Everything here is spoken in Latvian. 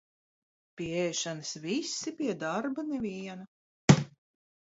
Pie ēšanas visi, pie darba neviena.